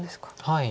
はい。